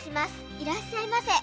いらっしゃいませ。